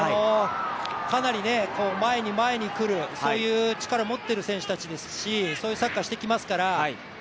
かなり前に前に来るそういう力を持っている選手たちですしそういうサッカーをしてきますから。